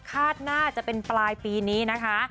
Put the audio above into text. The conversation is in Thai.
น่าจะเป็นปลายปีนี้นะคะ